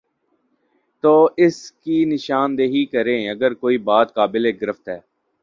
تو اس کی نشان دہی کرے اگر کوئی بات قابل گرفت ہے۔